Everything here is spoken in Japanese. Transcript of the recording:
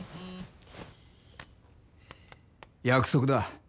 「約束だ。